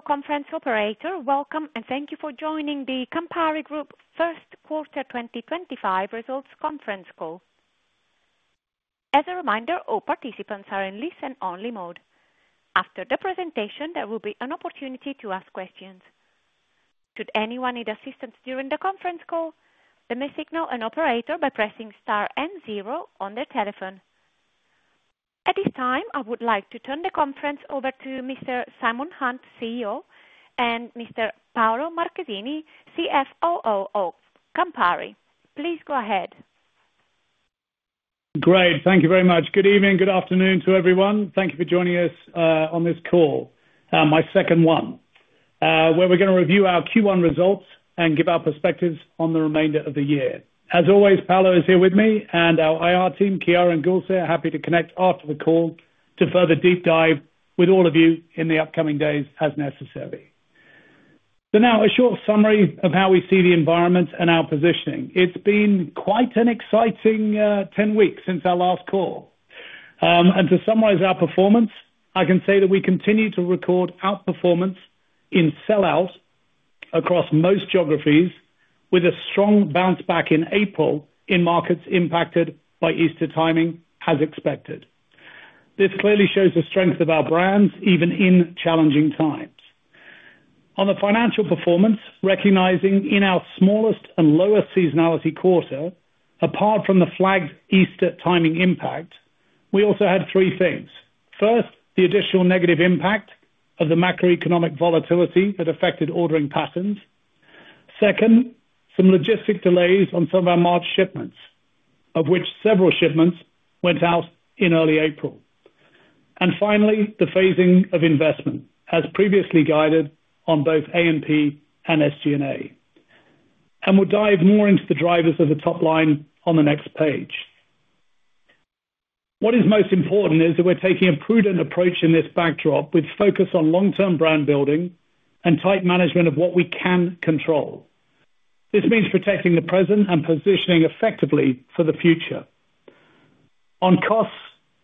Good evening, this is the Chorus Call conference operator. Welcome, and thank you for joining the Campari Group First Quarter 2025 Results Conference Call. As a reminder, all participants are in listen-only mode. After the presentation, there will be an opportunity to ask questions. Should anyone need assistance during the conference call, they may signal an operator by pressing star and zero on their telephone. At this time, I would like to turn the conference over to Mr. Simon Hunt, CEO, and Mr. Paolo Marchesini, CFO of Campari. Please go ahead. Great. Thank you very much. Good evening, good afternoon to everyone. Thank you for joining us on this call, my second one, where we're going to review our Q1 results and give our perspectives on the remainder of the year. As always, Paolo is here with me, and our IR team, Chiara and Gülse, are happy to connect after the call to further deep dive with all of you in the upcoming days as necessary. Now, a short summary of how we see the environment and our positioning. It's been quite an exciting 10 weeks since our last call. To summarize our performance, I can say that we continue to record outperformance in sellout across most geographies, with a strong bounce back in April in markets impacted by Easter timing, as expected. This clearly shows the strength of our brands, even in challenging times. On the financial performance, recognizing in our smallest and lowest seasonality quarter, apart from the flagged Easter timing impact, we also had three things. First, the additional negative impact of the macroeconomic volatility that affected ordering patterns. Second, some logistic delays on some of our March shipments, of which several shipments went out in early April. Finally, the phasing of investment, as previously guided on both A&P and SG&A. We will dive more into the drivers of the top line on the next page. What is most important is that we are taking a prudent approach in this backdrop with focus on long-term brand building and tight management of what we can control. This means protecting the present and positioning effectively for the future. On costs,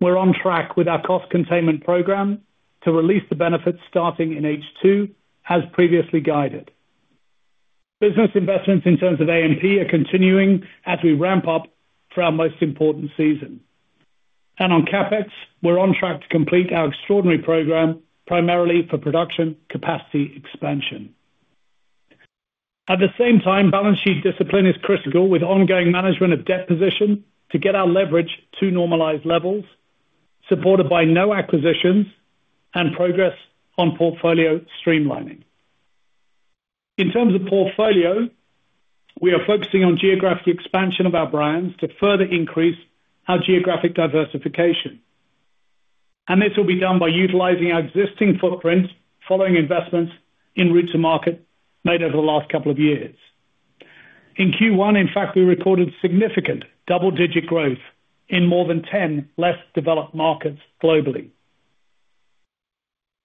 we are on track with our cost containment program to release the benefits starting in H2, as previously guided. Business investments in terms of A&P are continuing as we ramp up for our most important season. On CapEx, we are on track to complete our extraordinary program, primarily for production capacity expansion. At the same time, balance sheet discipline is critical with ongoing management of debt position to get our leverage to normalized levels, supported by no acquisitions and progress on portfolio streamlining. In terms of portfolio, we are focusing on geographic expansion of our brands to further increase our geographic diversification. This will be done by utilizing our existing footprint, following investments in recent markets made over the last couple of years. In Q1, in fact, we recorded significant double-digit growth in more than 10 less developed markets globally.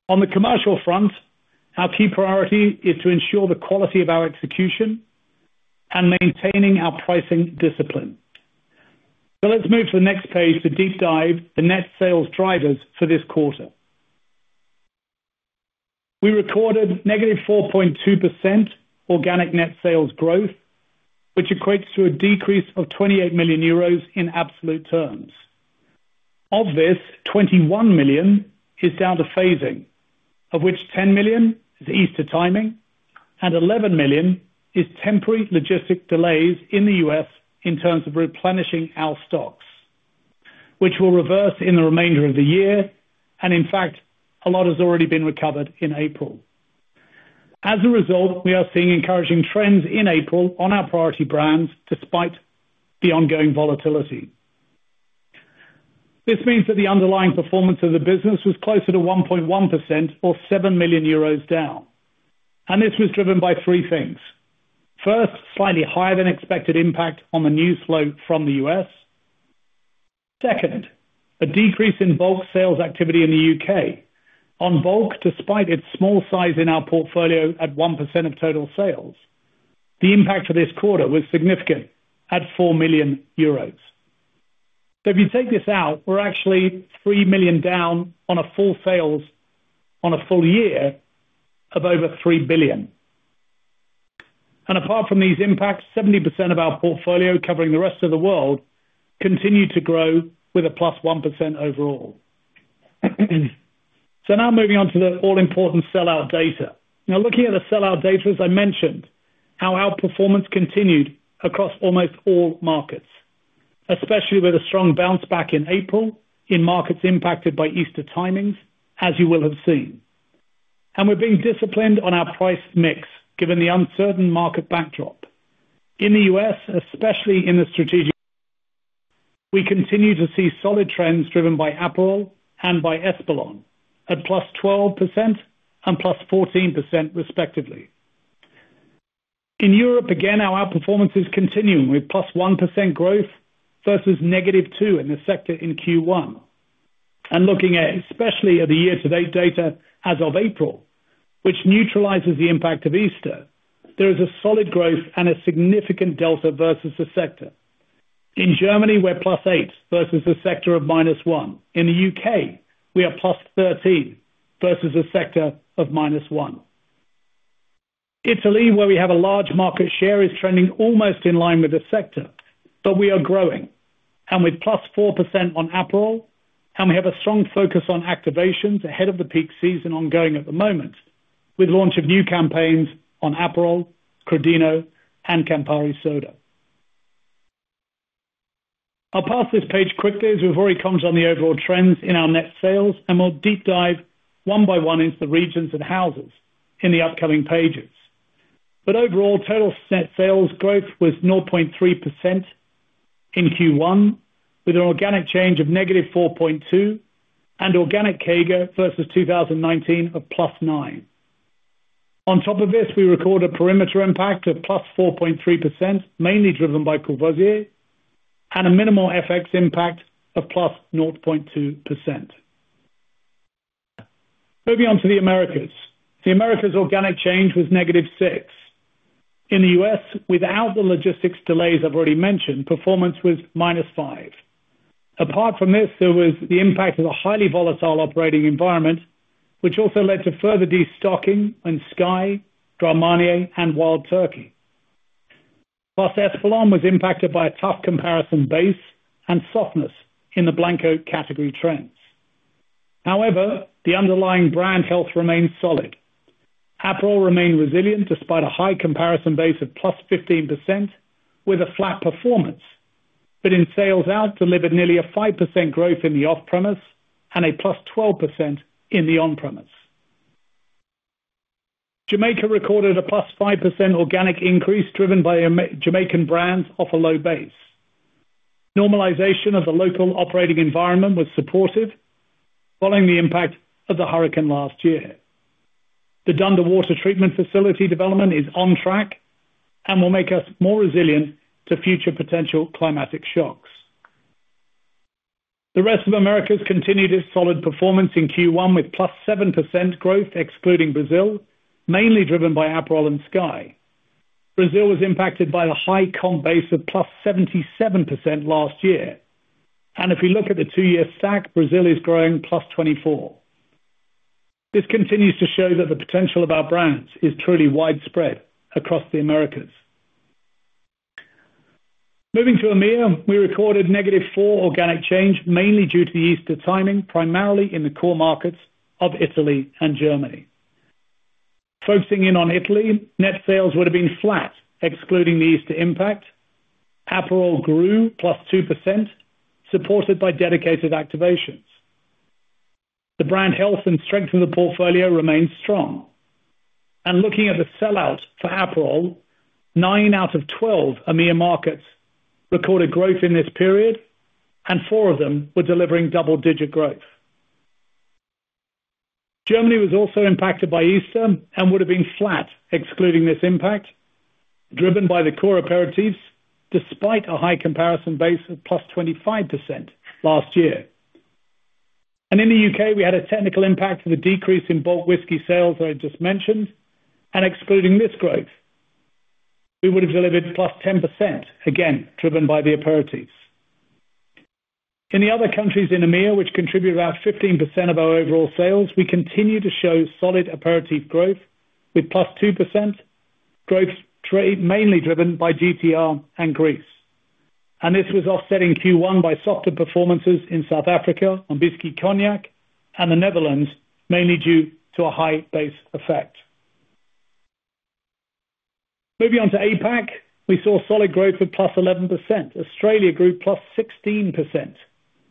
On the commercial front, our key priority is to ensure the quality of our execution and maintaining our pricing discipline. Let's move to the next page to deep dive the net sales drivers for this quarter. We recorded -4.2% organic net sales growth, which equates to a decrease of 28 million euros in absolute terms. Of this, 21 million is down to phasing, of which 10 million is Easter timing, and 11 million is temporary logistic delays in the U.S. in terms of replenishing our stocks, which will reverse in the remainder of the year. In fact, a lot has already been recovered in April. As a result, we are seeing encouraging trends in April on our priority brands despite the ongoing volatility. This means that the underlying performance of the business was closer to 1.1% or 7 million euros down. This was driven by three things. First, slightly higher than expected impact on the new flow from the U.S. Second, a decrease in bulk sales activity in the U.K. On bulk, despite its small size in our portfolio at 1% of total sales, the impact for this quarter was significant at 4 million euros. If you take this out, we're actually 3 million down on a full sales on a full year of over 3 billion. Apart from these impacts, 70% of our portfolio covering the rest of the world continued to grow with a +1% overall. Now moving on to the all-important sellout data. Looking at the sellout data, as I mentioned, our outperformance continued across almost all markets, especially with a strong bounce back in April in markets impacted by Easter timings, as you will have seen. We're being disciplined on our price mix given the uncertain market backdrop. In the U.S., especially in the strategic markets, we continue to see solid trends driven by Aperol and by Espolòn at +12% and +14%, respectively. In Europe, again, our outperformance is continuing with +1% growth versus -2% in the sector in Q1. Looking at, especially at the year-to-date data as of April, which neutralizes the impact of Easter, there is a solid growth and a significant delta versus the sector. In Germany, we are +8% versus the sector of -1%. In the U.K., we are +13% versus the sector of -1%. Italy, where we have a large market share, is trending almost in line with the sector, but we are growing. With +4% on Aperol, we have a strong focus on activations ahead of the peak season ongoing at the moment with launch of new campaigns on Aperol, Crodino, and Campari Soda. I'll pass this page quickly as we've already conjured on the overall trends in our net sales and we'll deep dive one by one into the regions that house us in the upcoming pages. Overall, total net sales growth was 0.3% in Q1, with an organic change of -4.2% and organic CAGR versus 2019 of +9%. On top of this, we record a perimeter impact of +4.3%, mainly driven by Courvoisier, and a minimal FX impact of +0.2%. Moving on to the Americas. The Americas' organic change was -6%. In the U.S., without the logistics delays I've already mentioned, performance was -5%. Apart from this, there was the impact of a highly volatile operating environment, which also led to further destocking in Skyy, Grand Marnier, and Wild Turkey. Plus, Espolòn was impacted by a tough comparison base and softness in the blanco category trends. However, the underlying brand health remained solid. Aperol remained resilient despite a high comparison base of +15% with a flat performance, but in sales out, delivered nearly a 5% growth in the off-premise and a +12% in the on-premise. Jamaica recorded a +5% organic increase driven by Jamaican brands off a low base. Normalization of the local operating environment was supportive following the impact of the hurricane last year. The Dunderwater Treatment Facility development is on track and will make us more resilient to future potential climatic shocks. The rest of America has continued its solid performance in Q1 with +7% growth, excluding Brazil, mainly driven by Aperol and Skyy. Brazil was impacted by a high comp base of +77% last year. If we look at the two-year stack, Brazil is growing +24%. This continues to show that the potential of our brands is truly widespread across the Americas. Moving to EMEA, we recorded -4% organic change, mainly due to Easter timing, primarily in the core markets of Italy and Germany. Focusing in on Italy, net sales would have been flat, excluding the Easter impact. Aperol grew +2%, supported by dedicated activations. The brand health and strength of the portfolio remained strong. Looking at the sellout for Aperol, nine out of 12 EMEA markets recorded growth in this period, and four of them were delivering double-digit growth. Germany was also impacted by Easter and would have been flat, excluding this impact, driven by the core aperitifs, despite a high comparison base of +25% last year. In the U.K., we had a technical impact of a decrease in bulk whiskey sales that I just mentioned, and excluding this growth, we would have delivered +10%, again, driven by the aperitifs. In the other countries in EMEA, which contribute about 15% of our overall sales, we continue to show solid aperitif growth with +2% growth mainly driven by GTR and Greece. This was offset in Q1 by softer performances in South Africa, whiskey, cognac, and the Netherlands, mainly due to a high base effect. Moving on to APAC, we saw solid growth with +11%. Australia grew +16%,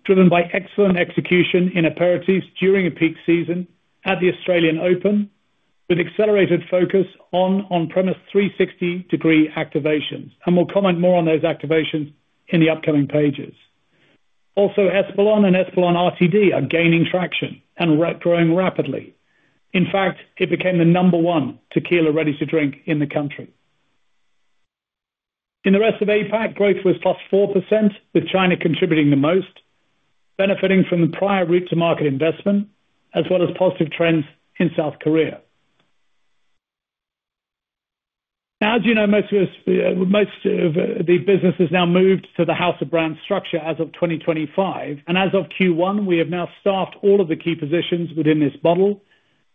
driven by excellent execution in aperitifs during a peak season at the Australian Open, with accelerated focus on on-premise 360-degree activations. We will comment more on those activations in the upcoming pages. Also, Espolòn and Espolòn RTD are gaining traction and growing rapidly. In fact, it became the number one tequila ready-to-drink in the country. In the rest of APAC, growth was +4%, with China contributing the most, benefiting from the prior reach to market investment, as well as positive trends in South Korea. Now, as you know, most of the business has now moved to the House of Brands structure as of 2025. As of Q1, we have now staffed all of the key positions within this model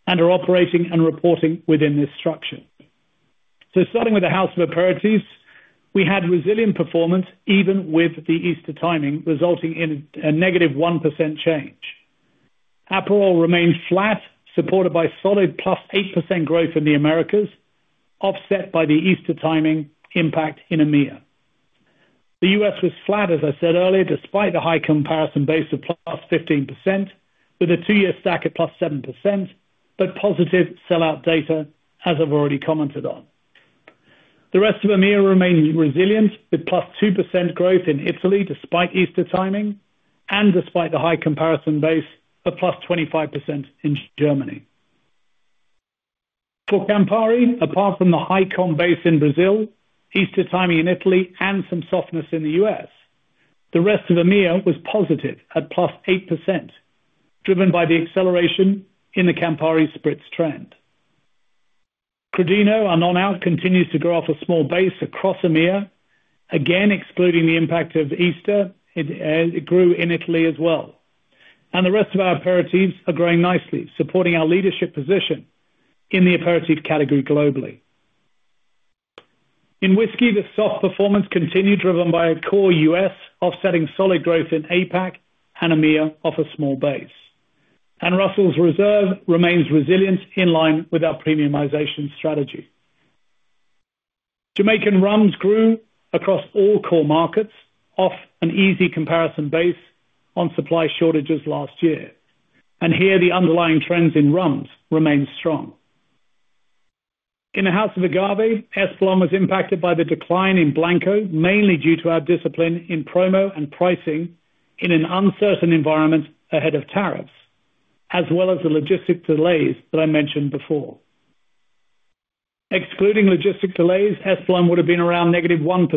and are operating and reporting within this structure. Starting with the House of Apiritifs, we had resilient performance even with the Easter timing, resulting in a -1% change. Aperol remained flat, supported by solid +8% growth in the Americas, offset by the Easter timing impact in EMEA. The U.S. was flat, as I said earlier, despite the high comparison base of +15%, with a two-year stack at +7%, but positive sellout data, as I've already commented on. The rest of EMEA remained resilient with +2% growth in Italy, despite Easter timing, and despite the high comparison base of +25% in Germany. For Campari, apart from the high comp base in Brazil, Easter timing in Italy, and some softness in the U.S., the rest of EMEA was positive at +8%, driven by the acceleration in the Campari Spritz trend. Crodino, our non-out, continues to grow off a small base across EMEA, again excluding the impact of Easter. It grew in Italy as well. The rest of our aperitifs are growing nicely, supporting our leadership position in the aperitif category globally. In whiskey, the soft performance continued, driven by a core U.S., offsetting solid growth in APAC and EMEA off a small base. Russell's Reserve remains resilient in line with our premiumization strategy. Jamaican rums grew across all core markets, off an easy comparison base on supply shortages last year. Here, the underlying trends in rums remain strong. In the House of Agave, Espolòn was impacted by the decline in blanco, mainly due to our discipline in promo and pricing in an uncertain environment ahead of tariffs, as well as the logistic delays that I mentioned before. Excluding logistic delays, Espolòn would have been around negative 1%.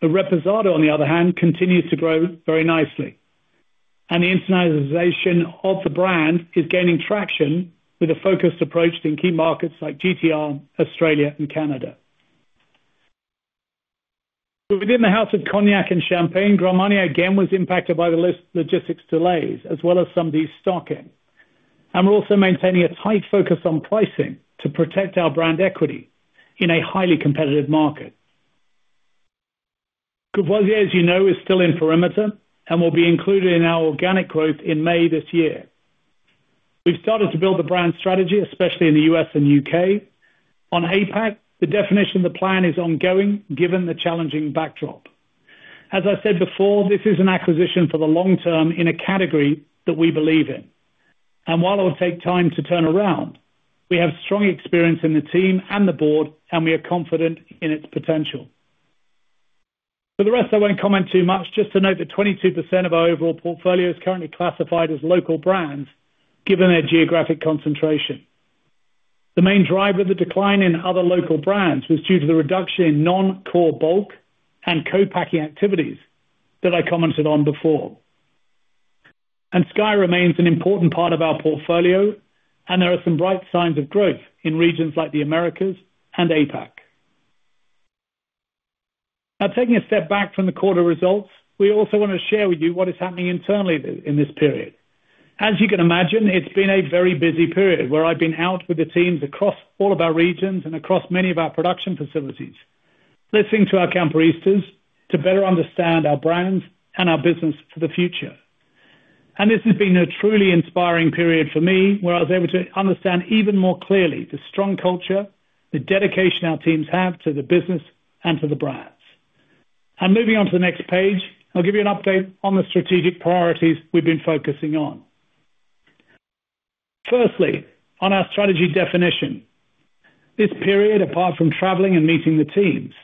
The Reposado, on the other hand, continues to grow very nicely. The internationalization of the brand is gaining traction with a focused approach in key markets like GTR, Australia, and Canada. Within the House of Cognac and Champagne, Grand Marnier again was impacted by the logistics delays, as well as some destocking. We are also maintaining a tight focus on pricing to protect our brand equity in a highly competitive market. Courvoisier, as you know, is still in perimeter and will be included in our organic growth in May this year. We have started to build the brand strategy, especially in the U.S. and U.K. On APAC, the definition of the plan is ongoing, given the challenging backdrop. As I said before, this is an acquisition for the long term in a category that we believe in. While it will take time to turn around, we have strong experience in the team and the board, and we are confident in its potential. For the rest, I will not comment too much. Just to note that 22% of our overall portfolio is currently classified as local brands, given their geographic concentration. The main driver of the decline in other local brands was due to the reduction in non-core bulk and co-packing activities that I commented on before. Skyy remains an important part of our portfolio, and there are some bright signs of growth in regions like the Americas and APAC. Now, taking a step back from the quarter results, we also want to share with you what is happening internally in this period. As you can imagine, it's been a very busy period where I've been out with the teams across all of our regions and across many of our production facilities, listening to our Camparistas to better understand our brands and our business for the future. This has been a truly inspiring period for me, where I was able to understand even more clearly the strong culture, the dedication our teams have to the business, and to the brands. Moving on to the next page, I'll give you an update on the strategic priorities we've been focusing on. Firstly, on our strategy definition, this period, apart from traveling and meeting the teams,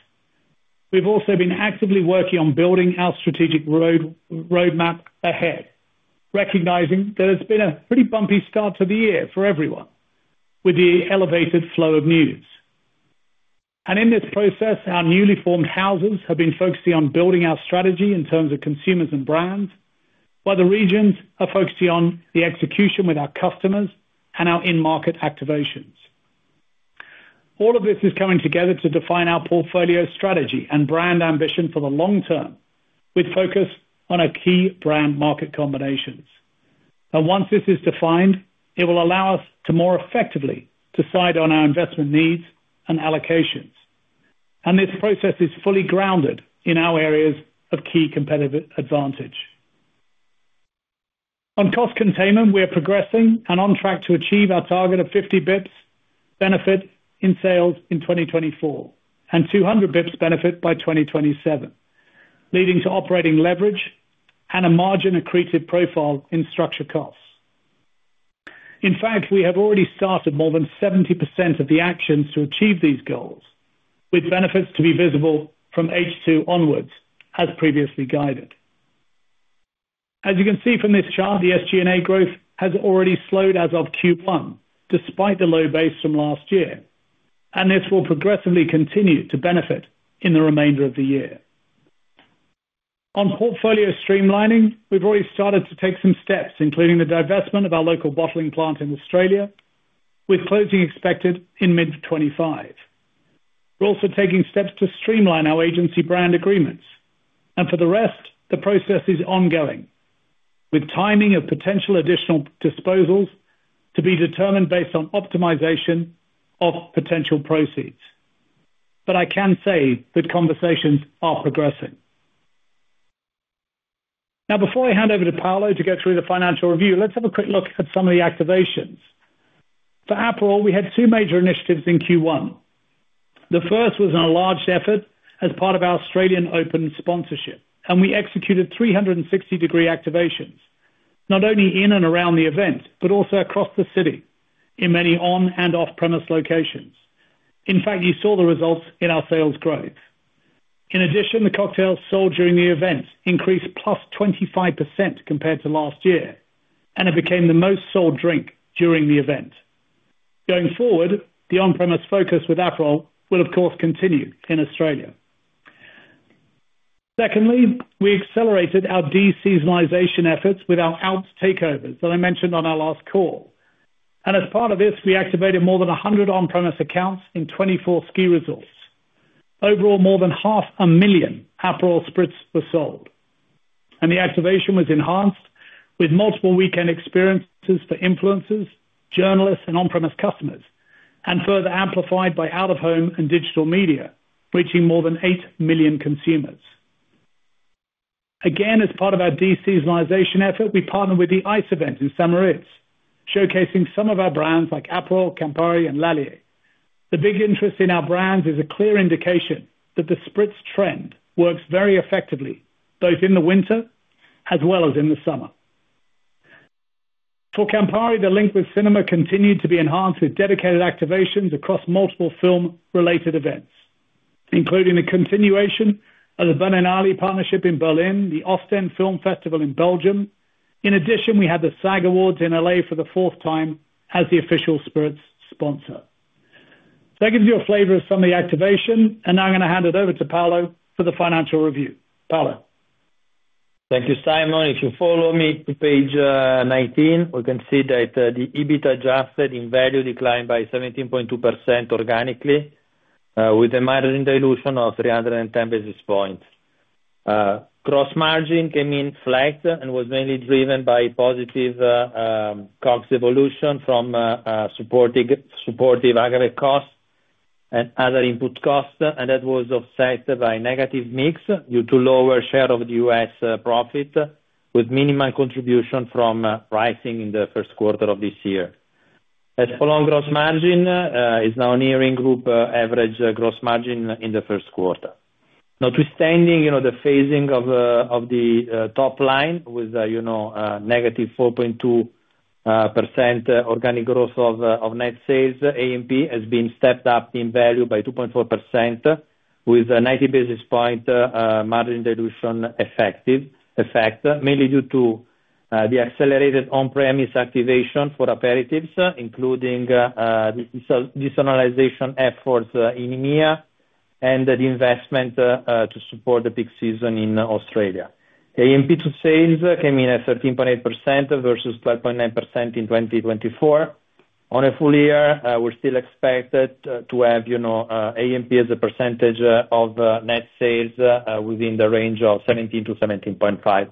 we've also been actively working on building our strategic roadmap ahead, recognizing that it's been a pretty bumpy start to the year for everyone with the elevated flow of news. In this process, our newly formed houses have been focusing on building our strategy in terms of consumers and brands, while the regions are focusing on the execution with our customers and our in-market activations. All of this is coming together to define our portfolio strategy and brand ambition for the long term, with focus on our key brand market combinations. Once this is defined, it will allow us to more effectively decide on our investment needs and allocations. This process is fully grounded in our areas of key competitive advantage. On cost containment, we are progressing and on track to achieve our target of 50bps benefit in sales in 2024 and 200bps benefit by 2027, leading to operating leverage and a margin accretive profile in structure costs. In fact, we have already started more than 70% of the actions to achieve these goals, with benefits to be visible from H2 onwards, as previously guided. As you can see from this chart, the SG&A growth has already slowed as of Q1, despite the low base from last year. This will progressively continue to benefit in the remainder of the year. On portfolio streamlining, we've already started to take some steps, including the divestment of our local bottling plant in Australia, with closing expected in mid-2025. We're also taking steps to streamline our agency brand agreements. For the rest, the process is ongoing, with timing of potential additional disposals to be determined based on optimization of potential proceeds. I can say that conversations are progressing. Now, before I hand over to Paolo to get through the financial review, let's have a quick look at some of the activations. For Aperol, we had two major initiatives in Q1. The first was an enlarged effort as part of our Australian Open sponsorship, and we executed 360-degree activations, not only in and around the event, but also across the city in many on- and off-premise locations. In fact, you saw the results in our sales growth. In addition, the cocktails sold during the event increased plus 25% compared to last year, and it became the most sold drink during the event. Going forward, the on-premise focus with Aperol will, of course, continue in Australia. Secondly, we accelerated our deseasonalization efforts with our out takeovers that I mentioned on our last call. As part of this, we activated more than 100 on-premise accounts in 24 ski resorts. Overall, more than 500,000 Aperol spritz were sold. The activation was enhanced with multiple weekend experiences for influencers, journalists, and on-premise customers, and further amplified by out-of-home and digital media, reaching more than 8 million consumers. Again, as part of our deseasonalization effort, we partnered with the Ice Event in St. Moritz, showcasing some of our brands like Aperol, Campari, and Lallier. The big interest in our brands is a clear indication that the spritz trend works very effectively, both in the winter as well as in the summer. For Campari, the link with cinema continued to be enhanced with dedicated activations across multiple film-related events, including the continuation of the Berninelli Partnership in Berlin, the Austen Film Festival in Belgium. In addition, we had the SAG Awards in L.A. for the fourth time as the official spirits sponsor. That gives you a flavor of some of the activation. I am going to hand it over to Paolo for the financial review. Paolo. Thank you, Simon. If you follow me to page 19, we can see that the EBITDA adjusted in value declined by 17.2% organically, with a margin dilution of 310 basis points. Gross margin came in flat and was mainly driven by positive COGS evolution from supportive aggregate costs and other input costs, and that was offset by negative mix due to lower share of the U.S. profit, with minimal contribution from pricing in the first quarter of this year. Espolon gross margin is now nearing group average gross margin in the first quarter. Notwithstanding the phasing of the top line with a -4.2% organic growth of net sales, A&P has been stepped up in value by 2.4%, with a 90 basis point margin dilution effect, mainly due to the accelerated on-premise activation for aperitifs, including desalinization efforts in EMEA and the investment to support the peak season in Australia. A&P to sales came in at 13.8% versus 12.9% in 2024. On a full year, we're still expected to have A&P as a percentage of net sales within the range of 17%-17.5%.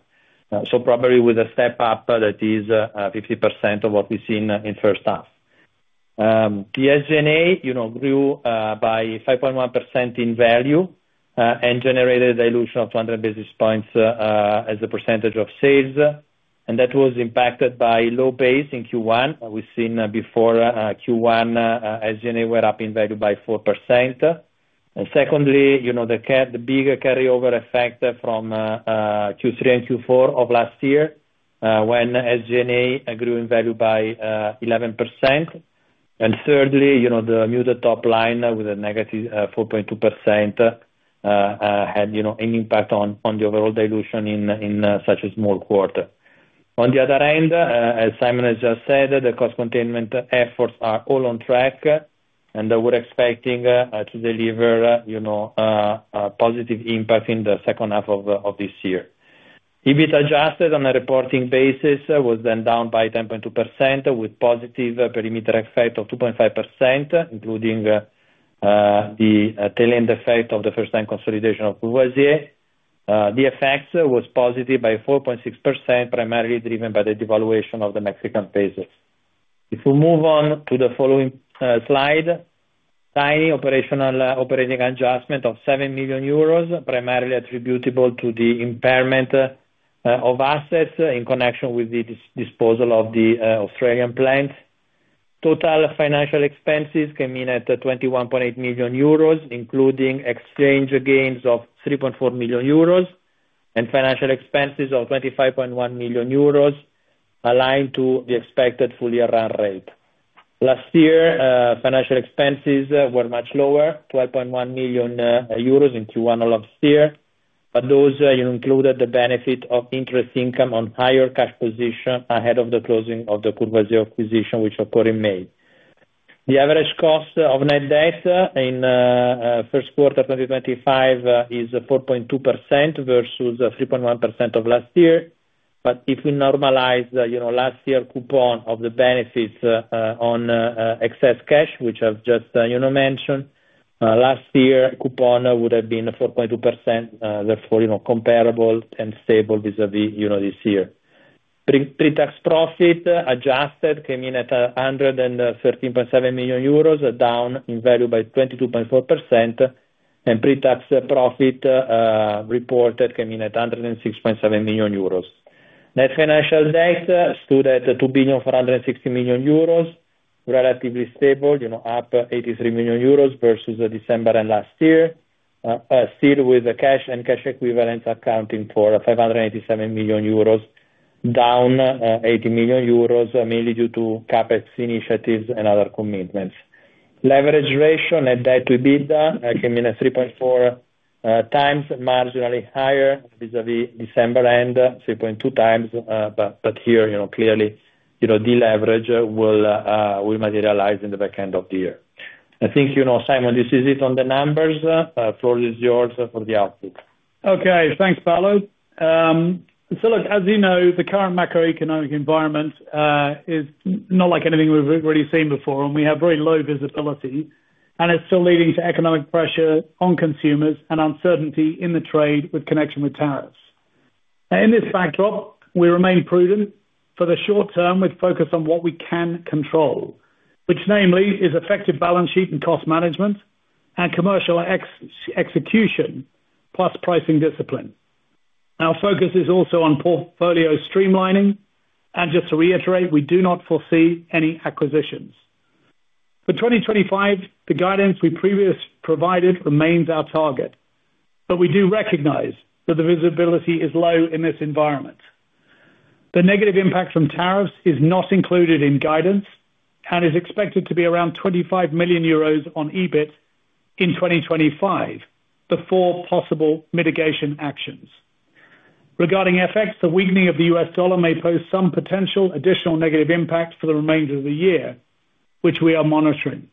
Probably with a step up that is 50% of what we've seen in first half. The SG&A grew by 5.1% in value and generated a dilution of 200 basis points as a percentage of sales. That was impacted by low base in Q1. We've seen before Q1, SG&A went up in value by 4%. Secondly, the big carryover effect from Q3 and Q4 of last year when SG&A grew in value by 11%. Thirdly, the muted top line with a -4.2% had an impact on the overall dilution in such a small quarter. On the other end, as Simon has just said, the cost containment efforts are all on track, and we're expecting to deliver a positive impact in the second half of this year. EBIT adjusted on a reporting basis was then down by 10.2%, with positive perimeter effect of 2.5%, including the tail-end effect of the first-time consolidation of Courvoisier. The effect was positive by 4.6%, primarily driven by the devaluation of the Mexican peso. If we move on to the following slide, tiny operational operating adjustment of 7 million euros primarily attributable to the impairment of assets in connection with the disposal of the Australian plant. Total financial expenses came in at 21.8 million euros, including exchange gains of 3.4 million euros and financial expenses of 25.1 million euros aligned to the expected full-year run rate. Last year, financial expenses were much lower, 12.1 million euros in Q1 last year, but those included the benefit of interest income on higher cash position ahead of the closing of the Courvoisier acquisition, which occurred in May. The average cost of net debt in first quarter 2025 is 4.2% versus 3.1% of last year. If we normalize last year's coupon of the benefits on excess cash, which I've just mentioned, last year's coupon would have been 4.2%, therefore comparable and stable vis-à-vis this year. Pretax profit adjusted came in at 113.7 million euros, down in value by 22.4%, and pretax profit reported came in at 106.7 million euros. Net financial debt stood at 2,460 million euros, relatively stable, up 83 million euros versus December and last year, still with cash and cash equivalents accounting for 587 million euros, down 80 million euros, mainly due to CapEx initiatives and other commitments. Leverage ratio net debt to EBITDA came in at 3.4 times, marginally higher vis-à-vis December and 3.2 times, but here, clearly, deleverage will materialize in the back end of the year. I think, Simon, this is it on the numbers. The floor is yours for the output. Okay. Thanks, Paolo. Look, as you know, the current macroeconomic environment is not like anything we have really seen before, and we have very low visibility. It is still leading to economic pressure on consumers and uncertainty in the trade with connection with tariffs. In this backdrop, we remain prudent for the short term with focus on what we can control, which namely is effective balance sheet and cost management and commercial execution, plus pricing discipline. Our focus is also on portfolio streamlining. Just to reiterate, we do not foresee any acquisitions. For 2025, the guidance we previously provided remains our target, but we do recognize that the visibility is low in this environment. The negative impact from tariffs is not included in guidance and is expected to be around EUR 25 million on EBIT in 2025 before possible mitigation actions. Regarding FX, the weakening of the US dollar may pose some potential additional negative impact for the remainder of the year, which we are monitoring.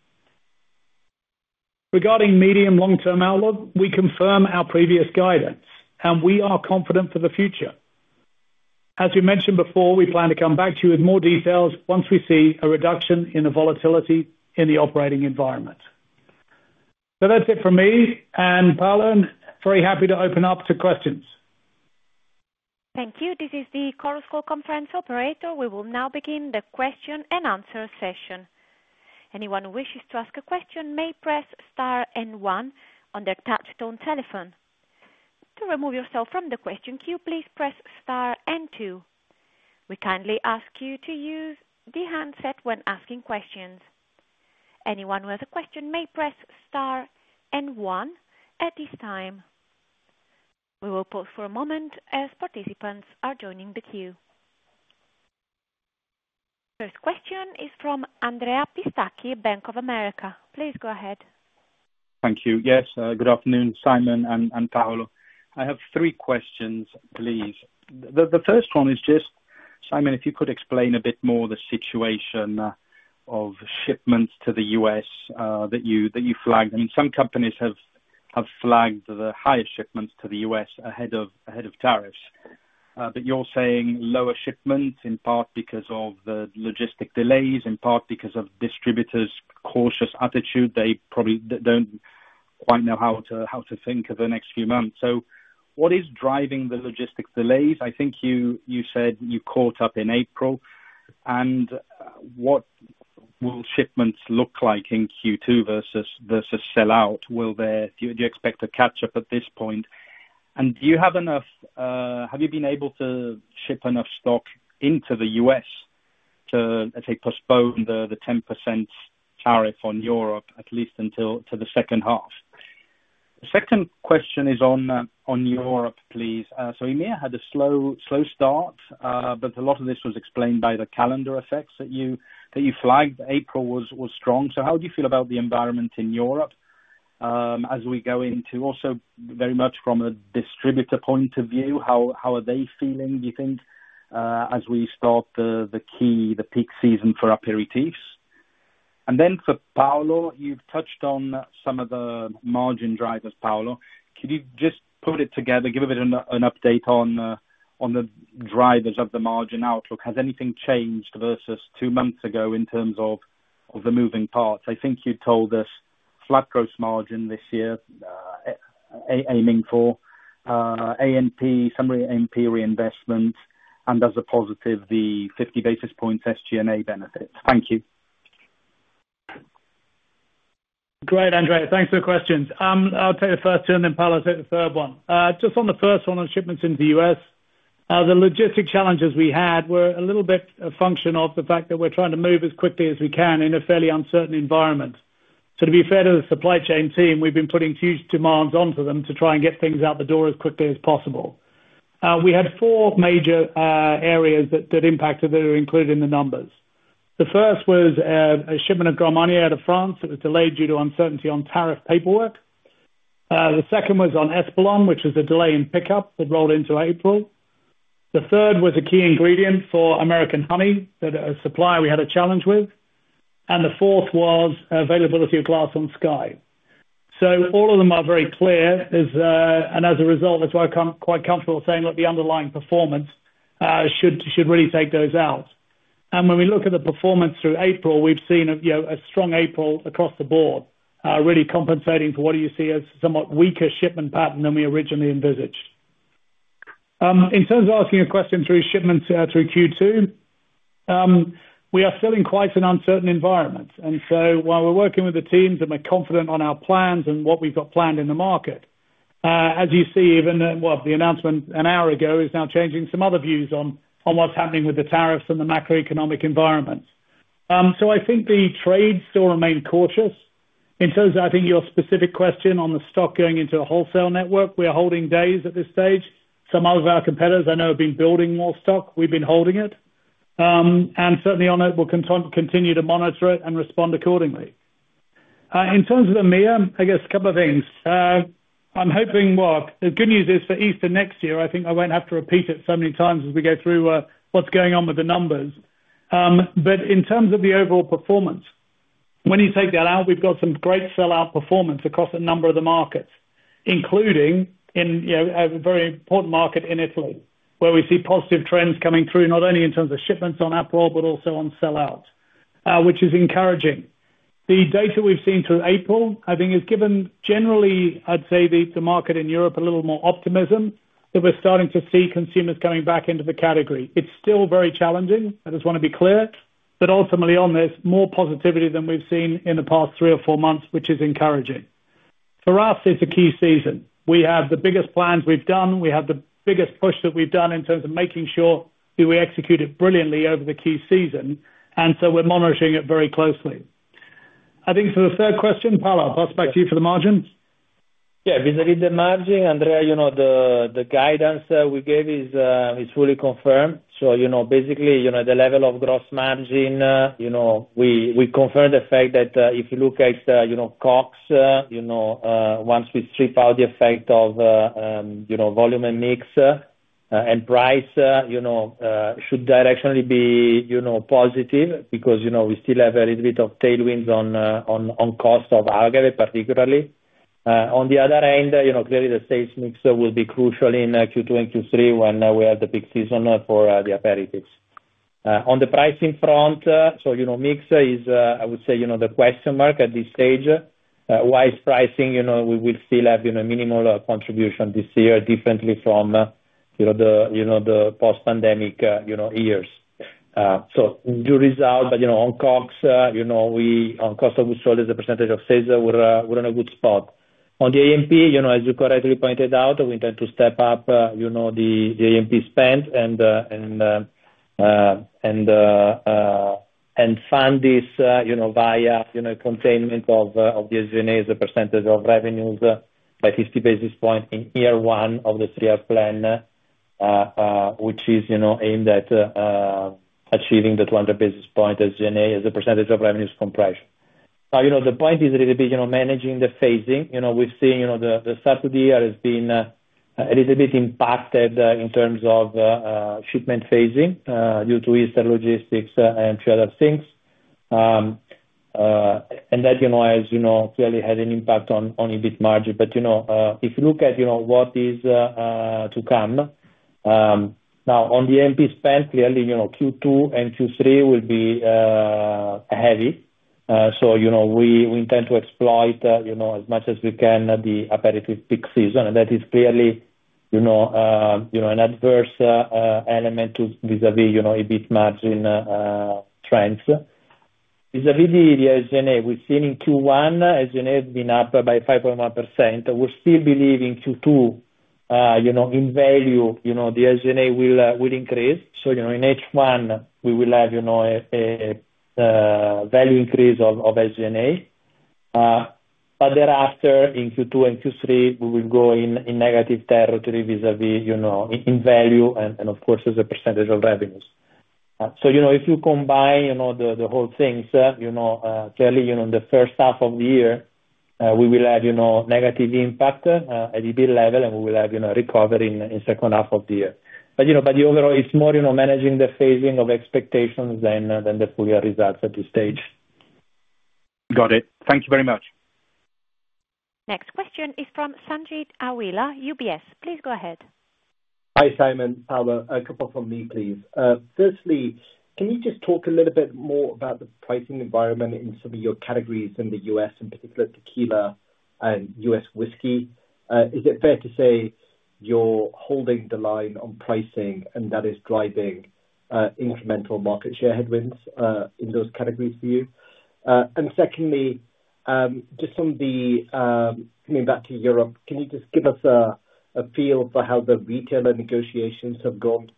Regarding medium-long-term outlook, we confirm our previous guidance, and we are confident for the future. As we mentioned before, we plan to come back to you with more details once we see a reduction in the volatility in the operating environment. That is it from me. Paolo, very happy to open up to questions. Thank you. This is the Chorus Call Conference Operator. We will now begin the question-and-answer session. Anyone who wishes to ask a question may press Star and 1 on their touchstone telephone. To remove yourself from the question queue, please press Star and two We kindly ask you to use the handset when asking questions. Anyone with a question may press Star and one at this time. We will pause for a moment as participants are joining the queue. First question is from Andrea Pistacchi, Bank of America. Please go ahead. Thank you. Yes, good afternoon, Simon and Paolo. I have three questions, please. The first one is just, Simon, if you could explain a bit more the situation of shipments to the U.S. that you flagged. I mean, some companies have flagged the higher shipments to the U.S. ahead of tariffs. You are saying lower shipments, in part because of the logistic delays, in part because of distributors' cautious attitude. They probably do not quite know how to think of the next few months. What is driving the logistic delays? I think you said you caught up in April. What will shipments look like in Q2 versus sell-out? Do you expect a catch-up at this point? Do you have enough? Have you been able to ship enough stock into the U.S. to, let's say, postpone the 10% tariff on Europe, at least until the second half? The second question is on Europe, please. EMEA had a slow start, but a lot of this was explained by the calendar effects that you flagged. April was strong. How do you feel about the environment in Europe as we go into also very much from a distributor point of view? How are they feeling, do you think, as we start the key, the peak season for aperitifs? For Paolo, you have touched on some of the margin drivers, Paolo. Could you just put it together, give a bit of an update on the drivers of the margin outlook? Has anything changed versus two months ago in terms of the moving parts? I think you told us flat gross margin this year, aiming for A&P, summary A&P reinvestment, and as a positive, the 50 basis points SG&A benefits. Thank you. Great, Andrea. Thanks for the questions. I'll take the first two, and then Paolo will take the third one. Just on the first one on shipments into the U.S., the logistic challenges we had were a little bit a function of the fact that we're trying to move as quickly as we can in a fairly uncertain environment. To be fair to the supply chain team, we've been putting huge demands onto them to try and get things out the door as quickly as possible. We had four major areas that impacted that are included in the numbers. The first was a shipment of Grand Marnier out of France that was delayed due to uncertainty on tariff paperwork. The second was on Espolòn, which was a delay in pickup that rolled into April. The third was a key ingredient for American Honey, a supplier we had a challenge with. The fourth was availability of glass on Skyy. All of them are very clear. As a result, that's why I'm quite comfortable saying that the underlying performance should really take those out. When we look at the performance through April, we've seen a strong April across the board, really compensating for what you see as a somewhat weaker shipment pattern than we originally envisaged. In terms of asking a question through shipments through Q2, we are still in quite an uncertain environment. While we're working with the teams and we're confident on our plans and what we've got planned in the market, as you see, even the announcement an hour ago is now changing some other views on what's happening with the tariffs and the macroeconomic environment. I think the trade still remains cautious. In terms of, I think, your specific question on the stock going into a wholesale network, we are holding days at this stage. Some of our competitors, I know, have been building more stock. We've been holding it. We will continue to monitor it and respond accordingly. In terms of EMEA, I guess a couple of things. I'm hoping the good news is for Easter next year, I think I won't have to repeat it so many times as we go through what's going on with the numbers. In terms of the overall performance, when you take that out, we've got some great sell-out performance across a number of the markets, including a very important market in Italy, where we see positive trends coming through not only in terms of shipments on Aperol, but also on sell-out, which is encouraging. The data we've seen through April, I think, has given generally, I'd say, the market in Europe a little more optimism that we're starting to see consumers coming back into the category. It's still very challenging. I just want to be clear. Ultimately, on this, more positivity than we've seen in the past three or four months, which is encouraging. For us, it's a key season. We have the biggest plans we've done. We have the biggest push that we've done in terms of making sure that we execute it brilliantly over the key season. We are monitoring it very closely. I think for the third question, Paolo, I'll pass back to you for the margin. Yeah. Vis-à-vis the margin, Andrea, the guidance we gave is fully confirmed. Basically, at the level of gross margin, we confirm the fact that if you look at COGS, once we strip out the effect of volume and mix and price, it should directionally be positive because we still have a little bit of tailwinds on cost of agave, particularly. On the other end, clearly, the sales mix will be crucial in Q2 and Q3 when we have the peak season for the aperitifs. On the pricing front, so mix is, I would say, the question mark at this stage. Wise pricing, we will still have a minimal contribution this year, differently from the post-pandemic years. Due results, but on COGS, on cost of goods, as a percentage of sales, we're in a good spot. On the A&P, as you correctly pointed out, we intend to step up the A&P spend and fund this via containment of the SG&A as a percentage of revenues by 50 basis points in year one of the three-year plan, which is aimed at achieving the 200 basis points SG&A as a percentage of revenues compression. The point is a little bit managing the phasing. We've seen the start of the year has been a little bit impacted in terms of shipment phasing due to Easter logistics and a few other things. That, as you know, clearly had an impact on EBIT margin. If you look at what is to come, now, on the A&P spend, clearly, Q2 and Q3 will be heavy. We intend to exploit as much as we can the aperitif peak season. That is clearly an adverse element vis-à-vis EBIT margin trends. Vis-à-vis the SG&A, we've seen in Q1, SG&A has been up by 5.1%. We're still believing Q2, in value, the SG&A will increase. In H1, we will have a value increase of SG&A. Thereafter, in Q2 and Q3, we will go in negative territory vis-à-vis in value and, of course, as a percentage of revenues. If you combine the whole things, clearly, in the first half of the year, we will have negative impact at EBIT level, and we will have recovery in the second half of the year. Overall, it's more managing the phasing of expectations than the full-year results at this stage. Got it. Thank you very much. Next question is from Sanjeet Aujla, UBS. Please go ahead. Hi, Simon. Paolo, a couple from me, please. Firstly, can you just talk a little bit more about the pricing environment in some of your categories in the U.S., in particular, tequila and U.S. whisky? Is it fair to say you're holding the line on pricing, and that is driving incremental market share headwinds in those categories for you? Secondly, just on the coming back to Europe, can you just give us a feel for how the retailer negotiations have gone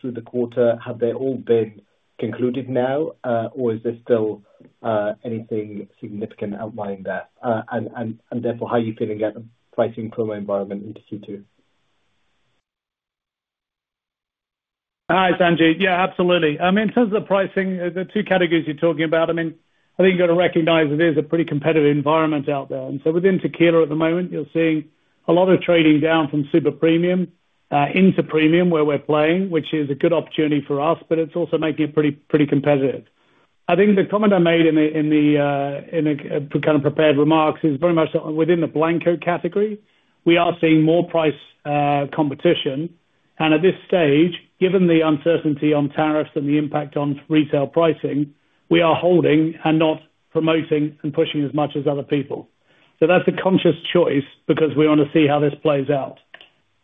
through the quarter? Have they all been concluded now, or is there still anything significant outlying that? Therefore, how are you feeling about the pricing from the environment into Q2? Hi, Sanjeet. Yeah, absolutely. I mean, in terms of the pricing, the two categories you're talking about, I mean, I think you've got to recognize it is a pretty competitive environment out there. Within tequila at the moment, you're seeing a lot of trading down from super premium into premium, where we're playing, which is a good opportunity for us, but it's also making it pretty competitive. I think the comment I made in the kind of prepared remarks is very much within the blanco category. We are seeing more price competition. At this stage, given the uncertainty on tariffs and the impact on retail pricing, we are holding and not promoting and pushing as much as other people. That's a conscious choice because we want to see how this plays out.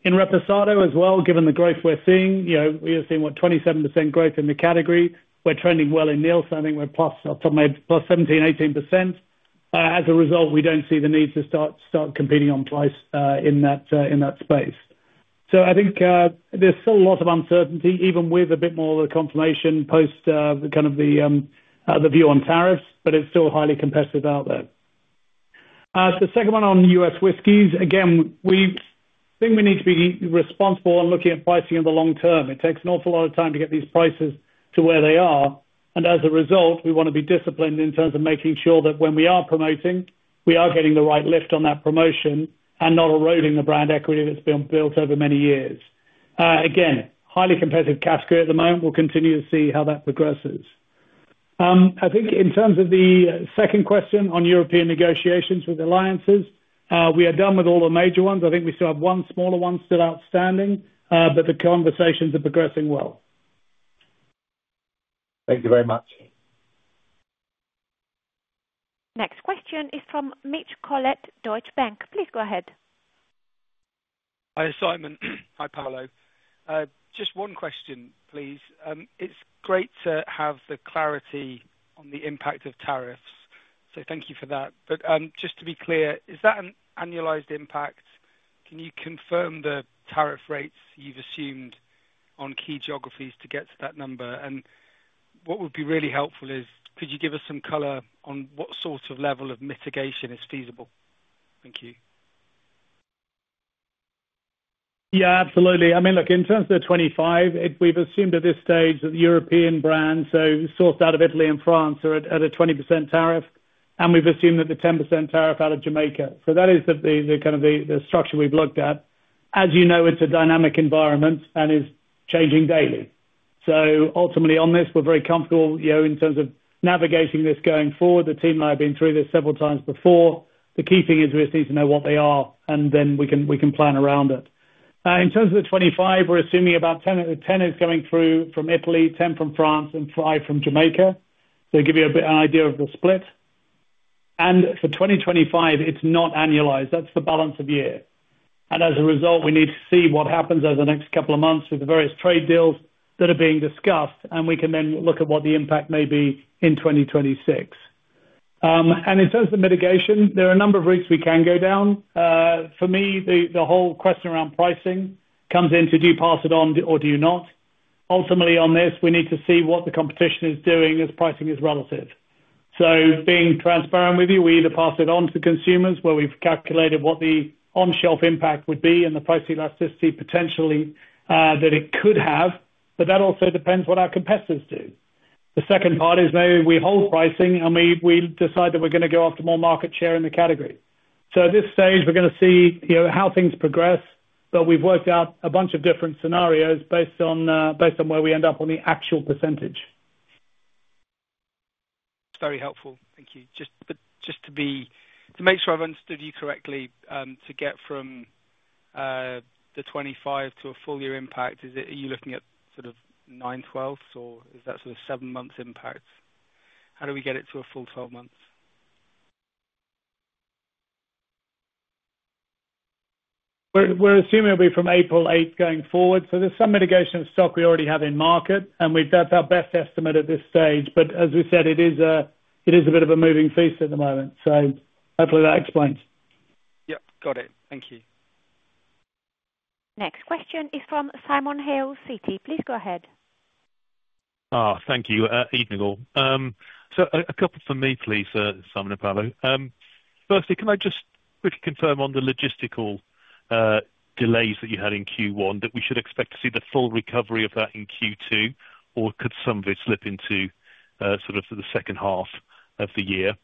In Reposado as well, given the growth we're seeing, we are seeing what, 27% growth in the category. We're trending well in Niels. I think we're +17%-18%. As a result, we don't see the need to start competing on price in that space. I think there's still a lot of uncertainty, even with a bit more of the confirmation post kind of the view on tariffs, but it's still highly competitive out there. The second one on U.S. whiskies, again, we think we need to be responsible and looking at pricing in the long term. It takes an awful lot of time to get these prices to where they are. As a result, we want to be disciplined in terms of making sure that when we are promoting, we are getting the right lift on that promotion and not eroding the brand equity that's been built over many years. Again, highly competitive category at the moment. We'll continue to see how that progresses. I think in terms of the second question on European negotiations with alliances, we are done with all the major ones. I think we still have one smaller one still outstanding, but the conversations are progressing well. Thank you very much. Next question is from Mitch Collett, Deutsche Bank. Please go ahead. Hi, Simon. Hi, Paolo. Just one question, please. It's great to have the clarity on the impact of tariffs. Thank you for that. Just to be clear, is that an annualized impact? Can you confirm the tariff rates you've assumed on key geographies to get to that number? What would be really helpful is, could you give us some color on what sort of level of mitigation is feasible? Thank you. Yeah, absolutely. I mean, look, in terms of the 25, we've assumed at this stage that the European brands, so sourced out of Italy and France, are at a 20% tariff. We've assumed that the 10% tariff out of Jamaica. That is kind of the structure we've looked at. As you know, it's a dynamic environment and is changing daily. Ultimately, on this, we're very comfortable in terms of navigating this going forward. The team and I have been through this several times before. The key thing is we just need to know what they are, and then we can plan around it. In terms of the 25, we're assuming about 10 is coming through from Italy, 10 from France, and 5 from Jamaica. It'll give you a bit of an idea of the split. For 2025, it's not annualized. That's the balance of year. As a result, we need to see what happens over the next couple of months with the various trade deals that are being discussed, and we can then look at what the impact may be in 2026. In terms of mitigation, there are a number of routes we can go down. For me, the whole question around pricing comes into do you pass it on or do you not. Ultimately, on this, we need to see what the competition is doing as pricing is relative. Being transparent with you, we either pass it on to consumers where we've calculated what the on-shelf impact would be and the price elasticity potentially that it could have. That also depends on what our competitors do. The second part is maybe we hold pricing and we decide that we're going to go after more market share in the category. At this stage, we're going to see how things progress. We've worked out a bunch of different scenarios based on where we end up on the actual percentage. That's very helpful. Thank you. Just to make sure I've understood you correctly, to get from the 25 to a full-year impact, are you looking at sort of 9/12 or is that sort of seven-month impact? How do we get it to a full 12 months? We're assuming it'll be from April 8th going forward. There is some mitigation of stock we already have in market, and that's our best estimate at this stage. As we said, it is a bit of a moving feast at the moment. Hopefully that explains. Yep. Got it. Thank you. Next question is from Simon Hales at Citi. Please go ahead. Thank you. Evening all. A couple for me, please, Simon and Paolo. Firstly, can I just quickly confirm on the logistical delays that you had in Q1, that we should expect to see the full recovery of that in Q2, or could some of it slip into sort of the second half of the year?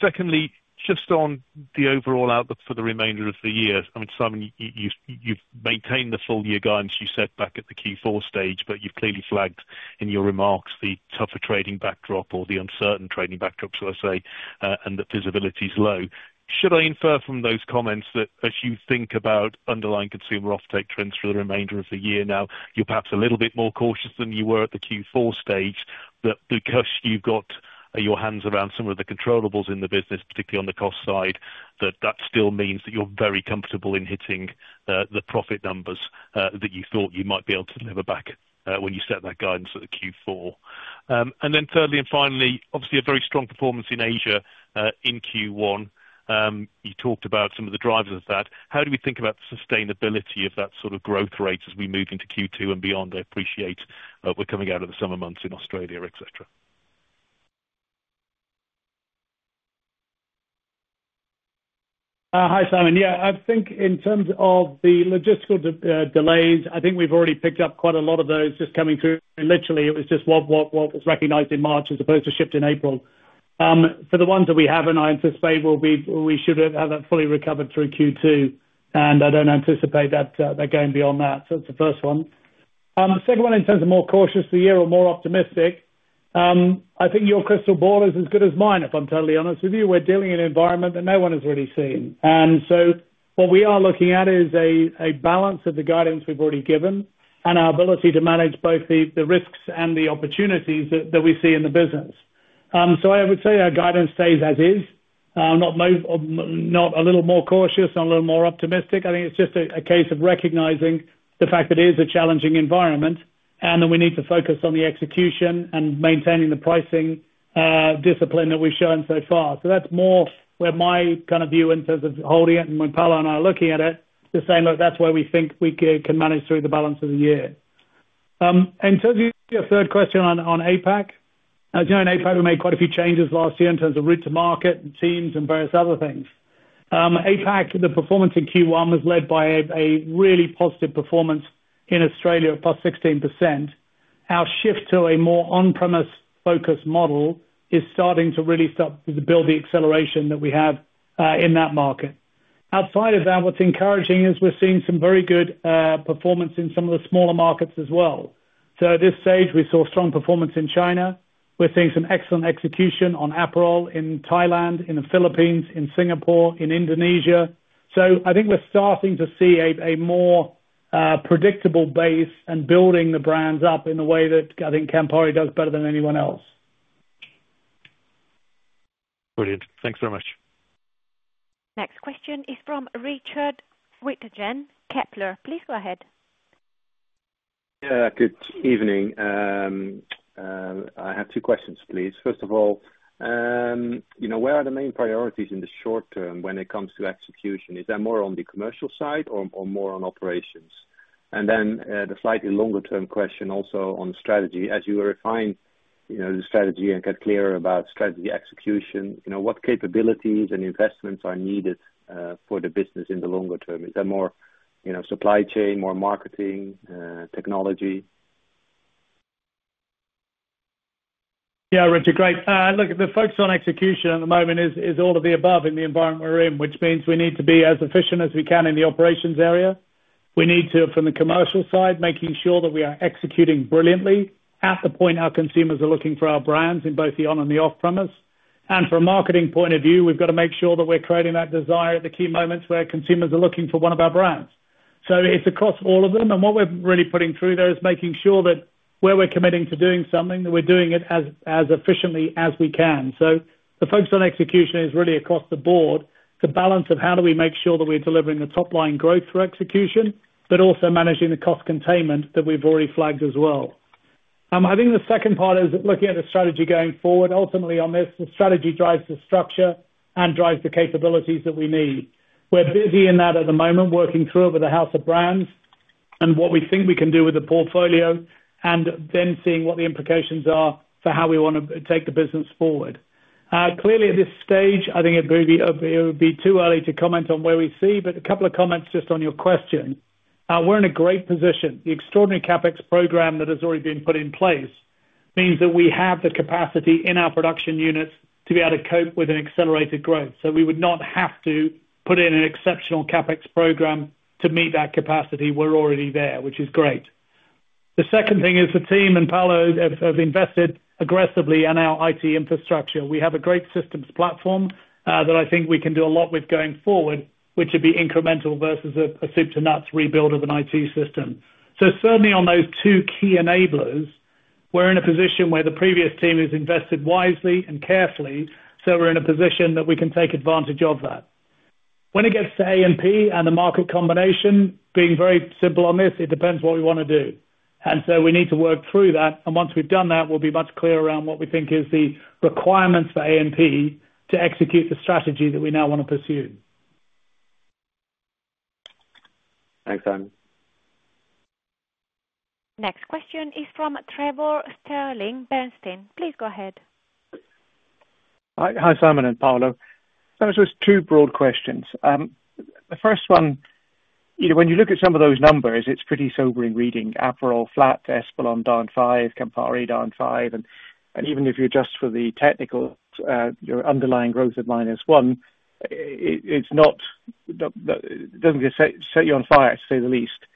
Secondly, just on the overall outlook for the remainder of the year, I mean, Simon, you've maintained the full-year guidance you set back at the Q4 stage, but you've clearly flagged in your remarks the tougher trading backdrop or the uncertain trading backdrop, so to say, and the visibility is low. Should I infer from those comments that as you think about underlying consumer offtake trends for the remainder of the year now, you're perhaps a little bit more cautious than you were at the Q4 stage, that because you've got your hands around some of the controllable in the business, particularly on the cost side, that that still means that you're very comfortable in hitting the profit numbers that you thought you might be able to deliver back when you set that guidance at Q4? Then thirdly and finally, obviously, a very strong performance in Asia in Q1. You talked about some of the drivers of that. How do we think about the sustainability of that sort of growth rate as we move into Q2 and beyond? I appreciate we're coming out of the summer months in Australia, etc. Hi, Simon. Yeah, I think in terms of the logistical delays, I think we've already picked up quite a lot of those just coming through. Literally, it was just what was recognized in March as opposed to shipped in April. For the ones that we haven't, I anticipate we should have that fully recovered through Q2. I don't anticipate that they're going beyond that. That's the first one. The second one, in terms of more cautious of the year or more optimistic, I think your crystal ball is as good as mine, if I'm totally honest with you. We're dealing in an environment that no one has really seen. What we are looking at is a balance of the guidance we've already given and our ability to manage both the risks and the opportunities that we see in the business. I would say our guidance stays as is, not a little more cautious and a little more optimistic. I think it's just a case of recognizing the fact that it is a challenging environment, and then we need to focus on the execution and maintaining the pricing discipline that we've shown so far. That's more where my kind of view in terms of holding it, and when Paolo and I are looking at it, to say, "Look, that's where we think we can manage through the balance of the year." In terms of your third question on APAC, as you know, in APAC, we made quite a few changes last year in terms of route to market and teams and various other things. APAC, the performance in Q1 was led by a really positive performance in Australia of plus 16%. Our shift to a more on-premise focused model is starting to really start to build the acceleration that we have in that market. Outside of that, what's encouraging is we're seeing some very good performance in some of the smaller markets as well. At this stage, we saw strong performance in China. We're seeing some excellent execution on Aperol in Thailand, in the Philippines, in Singapore, in Indonesia. I think we're starting to see a more predictable base and building the brands up in the way that I think Campari does better than anyone else. Brilliant. Thanks very much. Next question is from Richard Withaar, Jefferies. Please go ahead. Good evening. I have two questions, please. First of all, where are the main priorities in the short term when it comes to execution? Is that more on the commercial side or more on operations? Then the slightly longer-term question also on strategy. As you were refining the strategy and got clearer about strategy execution, what capabilities and investments are needed for the business in the longer term? Is that more supply chain, more marketing, technology? Yeah, Richard, great. Look, the focus on execution at the moment is all of the above in the environment we are in, which means we need to be as efficient as we can in the operations area. We need to, from the commercial side, make sure that we are executing brilliantly at the point our consumers are looking for our brands in both the on and the off-premise. From a marketing point of view, we have got to make sure that we are creating that desire at the key moments where consumers are looking for one of our brands. It is across all of them. What we're really putting through there is making sure that where we're committing to doing something, that we're doing it as efficiently as we can. The focus on execution is really across the board. It's a balance of how do we make sure that we're delivering the top-line growth through execution, but also managing the cost containment that we've already flagged as well. I think the second part is looking at the strategy going forward. Ultimately, on this, the strategy drives the structure and drives the capabilities that we need. We're busy in that at the moment, working through it with the House of Brands and what we think we can do with the portfolio, and then seeing what the implications are for how we want to take the business forward. Clearly, at this stage, I think it would be too early to comment on where we see, but a couple of comments just on your question. We're in a great position. The extraordinary CapEx program that has already been put in place means that we have the capacity in our production units to be able to cope with an accelerated growth. We would not have to put in an exceptional CapEx program to meet that capacity. We're already there, which is great. The second thing is the team and Paolo have invested aggressively in our IT infrastructure. We have a great systems platform that I think we can do a lot with going forward, which would be incremental versus a soup-to-nuts rebuild of an IT system. Certainly, on those two key enablers, we're in a position where the previous team has invested wisely and carefully. We're in a position that we can take advantage of that. When it gets to A&P and the market combination, being very simple on this, it depends what we want to do. We need to work through that. Once we've done that, we'll be much clearer around what we think is the requirements for A&P to execute the strategy that we now want to pursue. Thanks, Simon. Next question is from Trevor Stirling, Bernstein. Please go ahead. Hi, Simon and Paolo. It's just two broad questions. The first one, when you look at some of those numbers, it's pretty sobering reading. Aperol flat, Espolòn down 5%, Campari down 5%. Even if you adjust for the technical, your underlying growth of -1%, it doesn't set you on fire, to say the least.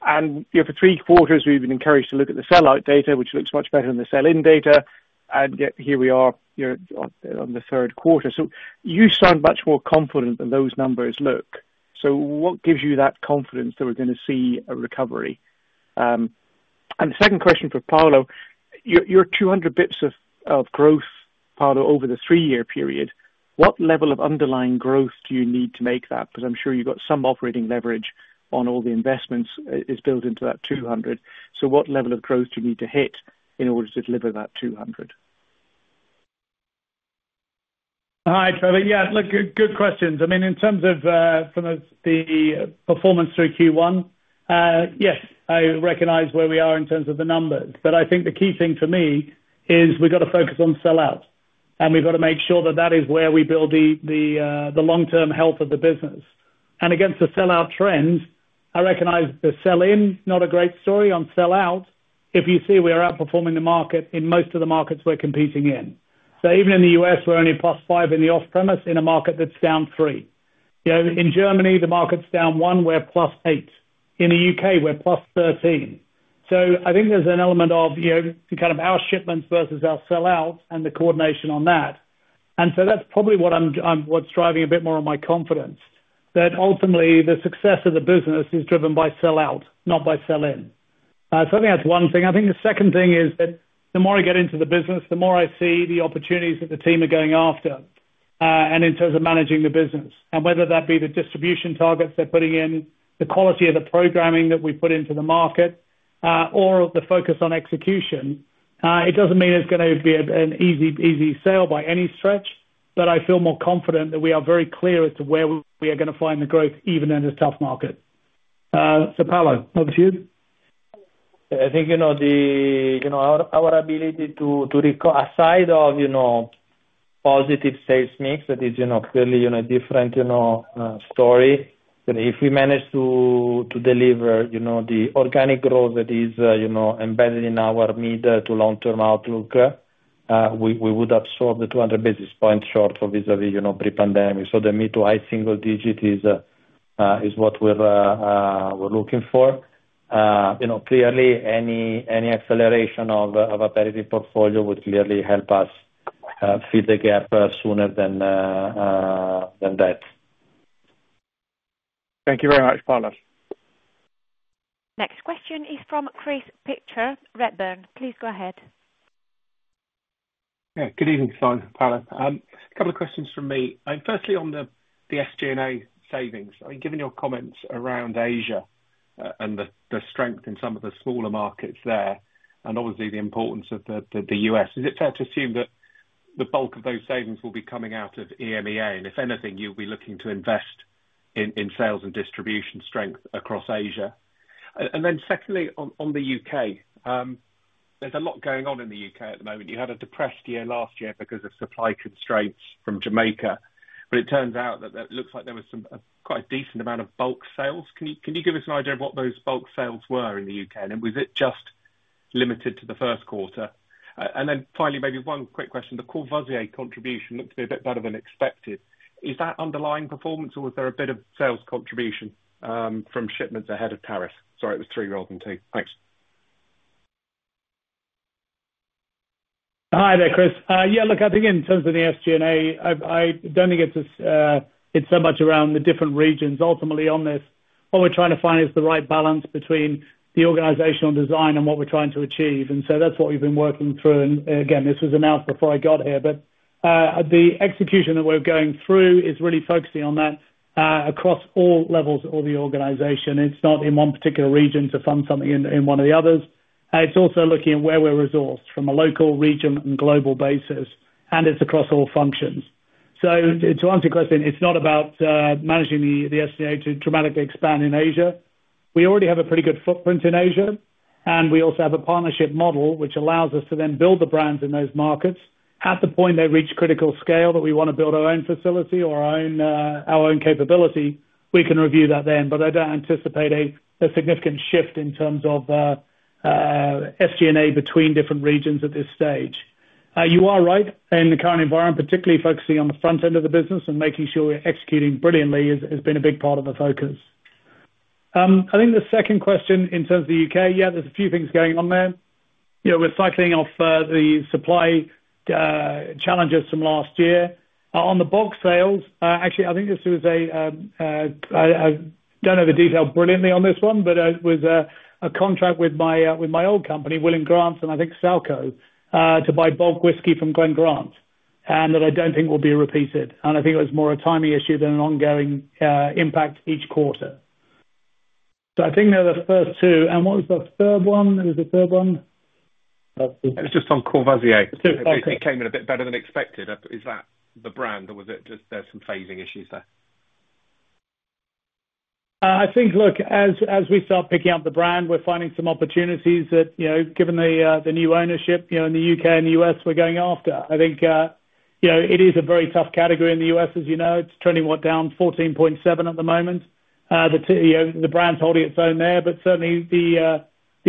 For three quarters, we've been encouraged to look at the sell-out data, which looks much better than the sell-in data. Yet here we are on the third quarter. You sound much more confident than those numbers look. What gives you that confidence that we're going to see a recovery? The second question for Paolo, your 200 basis points of growth, Paolo, over the three-year period, what level of underlying growth do you need to make that? I'm sure you've got some operating leverage on all the investments built into that 200. What level of growth do you need to hit in order to deliver that 200? Hi, Trevor. Yeah, good questions. I mean, in terms of the performance through Q1, yes, I recognize where we are in terms of the numbers. I think the key thing for me is we've got to focus on sell-out. We've got to make sure that that is where we build the long-term health of the business. Against the sell-out trends, I recognize the sell-in, not a great story. On sell-out, if you see, we are outperforming the market in most of the markets we're competing in. Even in the U.S., we're only +5% in the off-premise in a market that's down 3%. In Germany, the market's down 1%. We're +8%. In the U.K., we're +13%. I think there's an element of kind of our shipments versus our sell-out and the coordination on that. That's probably what's driving a bit more of my confidence, that ultimately the success of the business is driven by sell-out, not by sell-in. I think that's one thing. I think the second thing is that the more I get into the business, the more I see the opportunities that the team are going after in terms of managing the business. Whether that be the distribution targets they're putting in, the quality of the programming that we put into the market, or the focus on execution, it does not mean it's going to be an easy sale by any stretch. I feel more confident that we are very clear as to where we are going to find the growth even in this tough market. Paolo, over to you. I think our ability to recall, aside from positive sales mix, that is clearly a different story. If we manage to deliver the organic growth that is embedded in our mid to long-term outlook, we would absorb the 200 basis points short vis-à-vis pre-pandemic. The mid to high single digit is what we're looking for. Clearly, any acceleration of a better portfolio would clearly help us fill the gap sooner than that. Thank you very much, Paolo. Next question is from Chris Pitcher, Redburn. Please go ahead. Yeah, good evening, Simon, Paolo. A couple of questions from me. Firstly, on the SG&A savings, given your comments around Asia and the strength in some of the smaller markets there, and obviously the importance of the U.S., is it fair to assume that the bulk of those savings will be coming out of EMEA? If anything, you'll be looking to invest in sales and distribution strength across Asia. Secondly, on the U.K., there's a lot going on in the U.K. at the moment. You had a depressed year last year because of supply constraints from Jamaica. It turns out that it looks like there was quite a decent amount of bulk sales. Can you give us an idea of what those bulk sales were in the U.K.? Was it just limited to the first quarter? Finally, maybe one quick question. The core Courvoisier contribution looked to be a bit better than expected. Is that underlying performance, or was there a bit of sales contribution from shipments ahead of tariffs? Sorry, it was three rolled into two. Thanks. Hi there, Chris. Yeah, look, I think in terms of the SG&A, I do not think it is so much around the different regions. Ultimately, on this, what we are trying to find is the right balance between the organizational design and what we are trying to achieve. That is what we have been working through. Again, this was announced before I got here. The execution that we're going through is really focusing on that across all levels of the organization. It's not in one particular region to fund something in one of the others. It's also looking at where we're resourced from a local, regional, and global basis. It's across all functions. To answer your question, it's not about managing the SG&A to dramatically expand in Asia. We already have a pretty good footprint in Asia. We also have a partnership model which allows us to then build the brands in those markets. At the point they reach critical scale that we want to build our own facility or our own capability, we can review that then. I don't anticipate a significant shift in terms of SG&A between different regions at this stage. You are right. In the current environment, particularly focusing on the front end of the business and making sure we're executing brilliantly has been a big part of the focus. I think the second question in terms of the U.K., yeah, there's a few things going on there. We're cycling off the supply challenges from last year. On the bulk sales, actually, I think this was a—I don't know the detail brilliantly on this one, but it was a contract with my old company, William Grant & Sons, and I think Sazerac to buy bulk whiskey from Glen Grant, and that I don't think will be repeated. I think it was more a timing issue than an ongoing impact each quarter. I think they're the first two. What was the third one? What was the third one? It's just on Courvoisier. I think it came in a bit better than expected. Is that the brand, or was it just there's some phasing issues there? I think, look, as we start picking up the brand, we're finding some opportunities that, given the new ownership in the U.K. and the U.S., we're going after. I think it is a very tough category in the U.S., as you know. It's trending down 14.7% at the moment. The brand's holding its own there. Certainly, the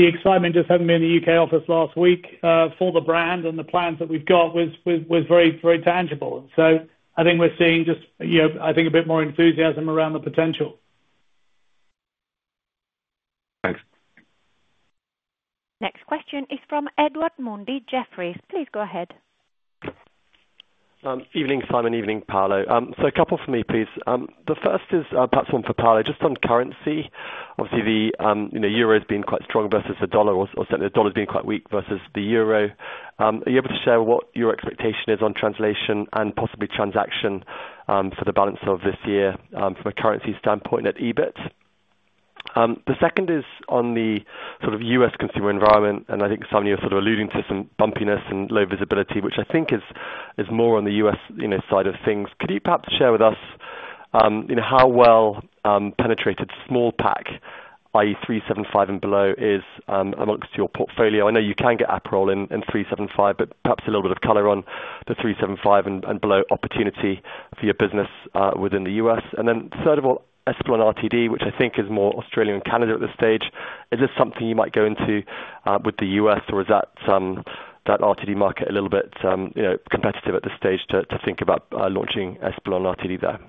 excitement just happened to be in the U.K. office last week for the brand and the plans that we've got was very tangible. I think we're seeing just, I think, a bit more enthusiasm around the potential. Thanks. Next question is from Edward Mundy-Jefferies. Please go ahead. Evening, Simon. Evening, Paolo. A couple for me, please. The first is perhaps one for Paolo. Just on currency, obviously, the euro has been quite strong versus the dollar, or certainly, the dollar has been quite weak versus the euro. Are you able to share what your expectation is on translation and possibly transaction for the balance of this year from a currency standpoint at EBIT? The second is on the sort of U.S. consumer environment. I think, Simon, you're sort of alluding to some bumpiness and low visibility, which I think is more on the U.S. side of things. Could you perhaps share with us how well-penetrated small pack, i.e., 375 and below, is amongst your portfolio? I know you can get Aperol in 375, but perhaps a little bit of color on the 375 and below opportunity for your business within the U.S. And then third of all, Espolon RTD, which I think is more Australia and Canada at this stage. Is this something you might go into with the U.S., or is that RTD market a little bit competitive at this stage to think about launching Espolòn RTD there?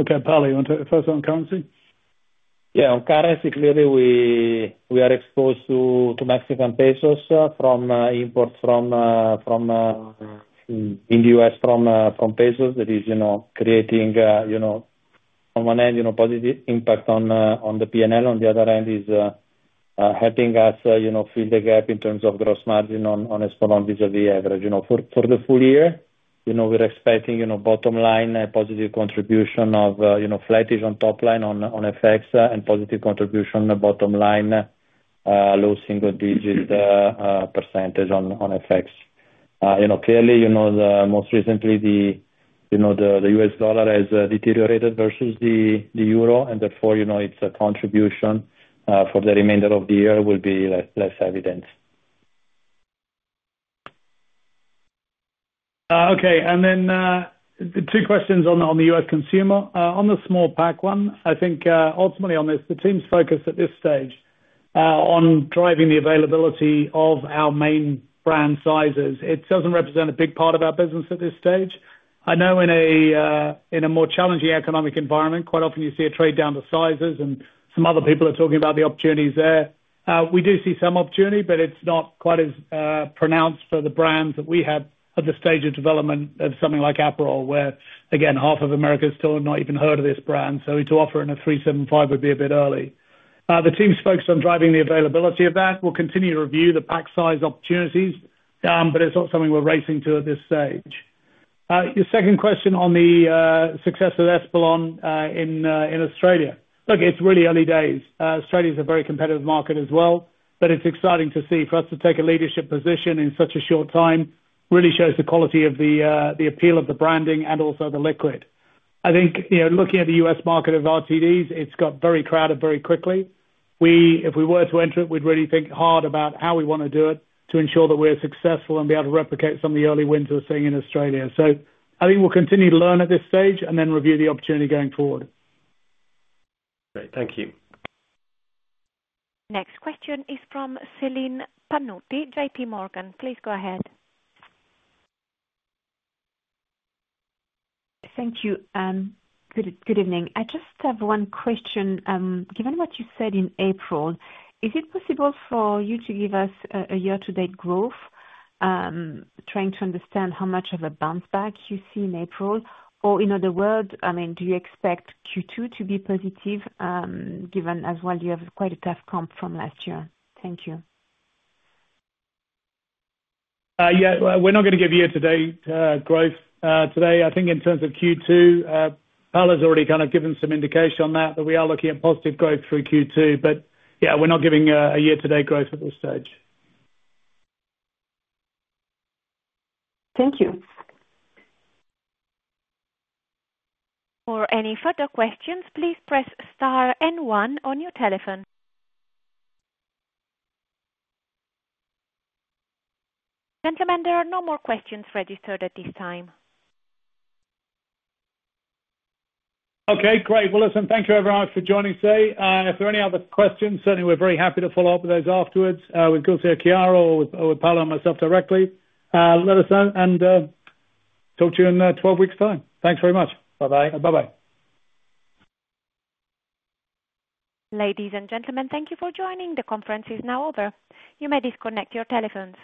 Okay, Paolo, you want to focus on currency? Yeah. On currency, clearly, we are exposed to Mexican pesos from imports in the U.S. from pesos that is creating, on one hand, a positive impact on the P&L. On the other hand, it is helping us fill the gap in terms of gross margin on Espolòn vis-à-vis average. For the full year, we're expecting bottom-line positive contribution of flattish on top-line on FX and positive contribution bottom-line low single digit % on FX. Clearly, most recently, the U.S. dollar has deteriorated versus the euro. Therefore, its contribution for the remainder of the year will be less evident. Okay. And then two questions on the U.S. consumer. On the small pack one, I think ultimately on this, the team's focus at this stage on driving the availability of our main brand sizes, it does not represent a big part of our business at this stage. I know in a more challenging economic environment, quite often you see a trade down to sizes. Some other people are talking about the opportunities there. We do see some opportunity, but it is not quite as pronounced for the brands that we have at the stage of development of something like Aperol, where, again, half of America still have not even heard of this brand. To offer in a 375 would be a bit early. The team's focused on driving the availability of that. We will continue to review the pack size opportunities, but it is not something we are racing to at this stage. Your second question on the success of Espolon in Australia. Look, it's really early days. Australia is a very competitive market as well. It's exciting to see. For us to take a leadership position in such a short time really shows the quality of the appeal of the branding and also the liquid. I think looking at the U.S. market of RTDs, it's got very crowded very quickly. If we were to enter it, we'd really think hard about how we want to do it to ensure that we're successful and be able to replicate some of the early wins we're seeing in Australia. I think we'll continue to learn at this stage and then review the opportunity going forward. Great. Thank you. Next question is from Celine Pannuti, JPMorgan. Please go ahead. Thank you. Good evening. I just have one question. Given what you said in April, is it possible for you to give us a year-to-date growth, trying to understand how much of a bounce back you see in April? Or in other words, I mean, do you expect Q2 to be positive, given as well you have quite a tough comp from last year? Thank you. Yeah. We're not going to give year-to-date growth today. I think in terms of Q2, Paolo's already kind of given some indication on that, that we are looking at positive growth through Q2. Yeah, we're not giving a year-to-date growth at this stage. Thank you. For any further questions, please press star and one on your telephone. Gentlemen, there are no more questions registered at this time. Okay. Great. Listen, thank you everyone for joining today. If there are any other questions, certainly we're very happy to follow up with those afterwards. We can also have Chiara or Paolo and myself directly. Let us know and talk to you in 12 weeks' time. Thanks very much. Bye-bye. Bye-bye. Ladies and gentlemen, thank you for joining. The conference is now over. You may disconnect your telephones.